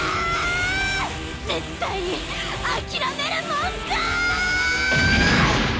絶対に諦めるもんかーっ！！